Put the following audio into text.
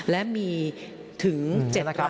และมีถึง๗กรรม